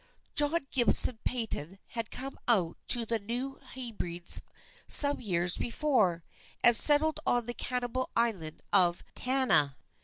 John Gibson Paton had come out to the New Hebrides some years before, and settled on the cannibal island of Tanna.